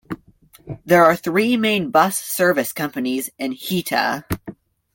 There are three main bus service companies in Hita.